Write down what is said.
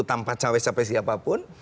tanpa cawek siapapun